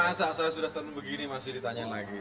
masa saya sudah senang begini masih ditanyain lagi